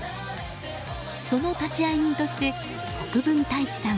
その立会人として国分太一さん